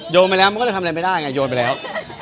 ไปแล้วมันก็เลยทำอะไรไม่ได้ไงโยนไปแล้ว